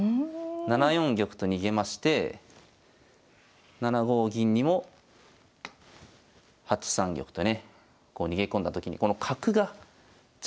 ７四玉と逃げまして７五銀にも８三玉とねこう逃げ込んだ時にこの角が邪魔で。